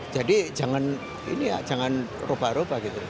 jadi jangan ini ya jangan rubah rubah gitu